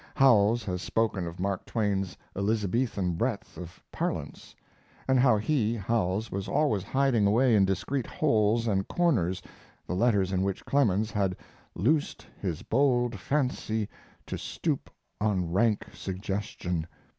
Howells has spoken of Mark Twain's "Elizabethan breadth of parlance," and how he, Howells, was always hiding away in discreet holes and corners the letters in which Clemens had "loosed his bold fancy to stoop on rank suggestion."